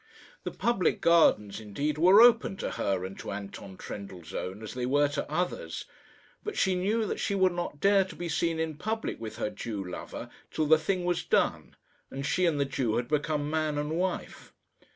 The public gardens, indeed, were open to her and to Anton Trendellsohn as they were to others; but she knew that she would not dare to be seen in public with her Jew lover till the thing was done and she and the Jew had become man and wife.